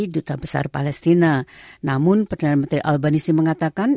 duta besar tiongkok untuk australia mengatakan